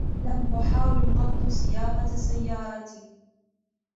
لم أحاول قط سياقة سيارة.